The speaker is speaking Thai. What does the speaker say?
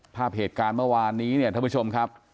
ภาพเหตุการณ์เมื่อวานนี้เนี่ยท่านผู้ชมครับ